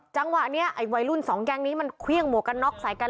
จังหวะนี้ไอ้วัยรุ่นสองแก๊งนี้มันเครื่องหมวกกันน็อกใส่กัน